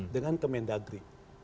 dengan ke mendagri